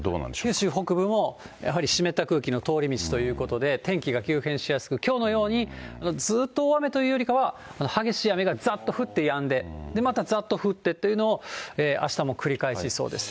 九州北部もやはり湿った空気の通り道ということで、天気が急変しやすく、きょうのように、ずーっと大雨というよりかは、激しい雨がざっと降ってやんで、またざっと降ってっていうのをあしたも繰り返しそうです。